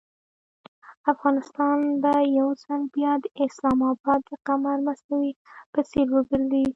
افغانستان به یو ځل بیا د اسلام اباد د قمر مصنوعي په څېر وګرځي.